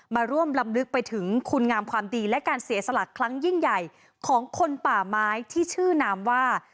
มาร่วมลำลึกไปถึงคุณงามความดีและการเสียสละครั้งยิ่งใหญ่ของคนป่าไม้ที่ชื่อนามว่า